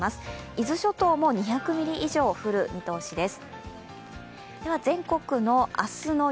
伊豆諸島も２００ミリ以上降る見通しです。